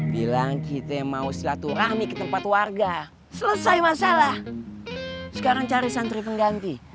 bilang kita mau silaturahmi ke tempat warga selesai masalah sekarang cari santri pengganti